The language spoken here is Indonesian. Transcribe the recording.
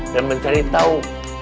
dan mencari tau